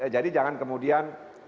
jadi jangan kemudian